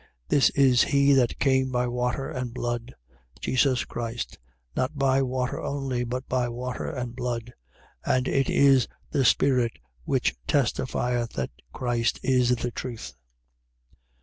5:6. This is he that came by water and blood, Jesus Christ: not by water only but by water and blood. And it is the Spirit which testifieth that Christ is the truth.